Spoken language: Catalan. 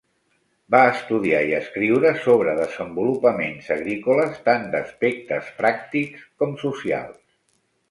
Va estudiar i escriure sobre desenvolupaments agrícoles tant d'aspectes pràctics com socials.